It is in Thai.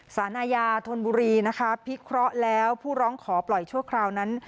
สารอาญาธนบุรีนะคะพิเคราะห์แล้วผู้ร้องขอปล่อยชั่วคราวนั้น